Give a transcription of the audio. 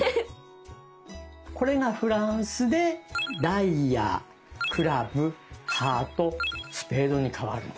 これがフランスでダイヤクラブハートスペードに変わるの。